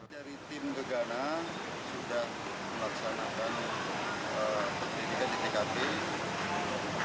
dari tim gegana sudah melaksanakan identifikasi